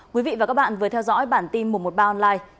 quý vị và các bạn vừa theo dõi bản tin một trăm một mươi ba online